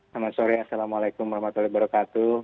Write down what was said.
selamat sore assalamualaikum warahmatullahi wabarakatuh